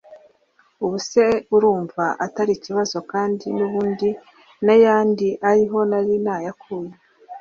Ubu se urumva atari ikibazo kandi n’ubundi n’ayandi ari ho nari nayakuye